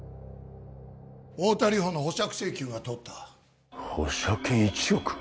太田梨歩の保釈請求が通った保釈金１億！